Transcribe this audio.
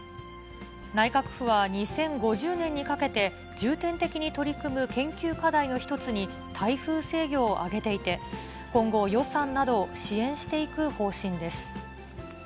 内閣府は、２０５０年にかけて、重点的に取り組む研究課題の一つに、台風制御を挙げていて、今後、予算などを支援していく方針です。